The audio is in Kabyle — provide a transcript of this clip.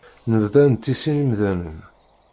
Nebda nettissin imdanen.